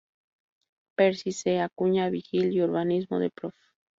Percy C. Acuña Vigil y urbanismo del Prof.